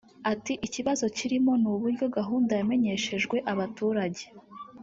Ati “ Ikibazo kirimo ni uburyo gahunda yamenyeshejwe abaturage